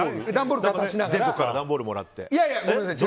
全国から段ボールもらって？